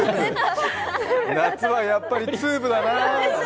夏はやっぱりツーブだな。